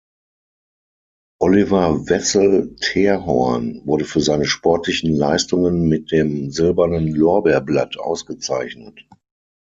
Oliver Wessel-Therhorn wurde für seine sportlichen Leistungen mit dem Silbernen Lorbeerblatt ausgezeichnet.